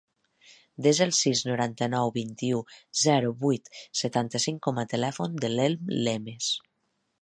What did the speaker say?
Desa el sis, noranta-nou, vint-i-u, zero, vuit, setanta-cinc com a telèfon de l'Elm Lemes.